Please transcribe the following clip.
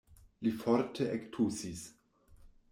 Li forte ektusis.